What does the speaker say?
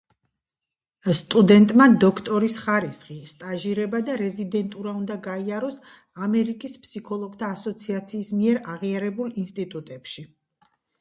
სტუდენტმა დოქტორის ხარისხი, სტაჟირება და რეზიდენტურა უნდა გაიაროს ამერიკის ფსიქოლოგთა ასოციაციის მიერ აღიარებულ ინსტიტუტებში.